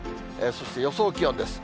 そして、予想気温です。